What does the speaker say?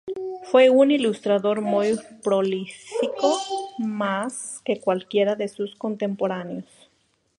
Fue un ilustrador muy prolífico, más que cualquiera de sus contemporáneos.